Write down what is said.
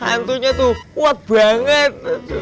hantunya tuh kuat banget